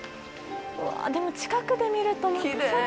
うわでも近くで見るとまた更に。